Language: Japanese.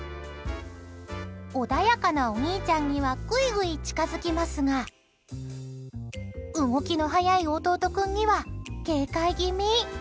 穏やかなお兄ちゃんにはぐいぐい近づきますが動きの速い弟君には、警戒気味。